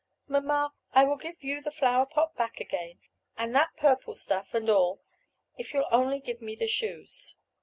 Mamma, I will give you the flower pot back again, and that purple stuff and all, if you'll only give me the shoes."